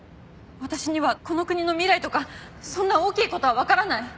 私にはこの国の未来とかそんな大きい事はわからない！